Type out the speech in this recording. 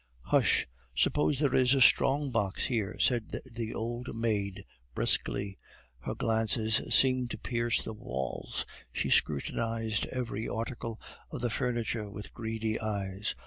"Hush! Suppose there is a strong box here!" said the old maid briskly; her glances seemed to pierce the walls, she scrutinized every article of the furniture with greedy eyes.